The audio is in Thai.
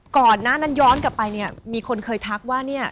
ก่อนหน้านั้นย้อนกลับไปเนี่ยมีคนเคยทักว่าเนี่ย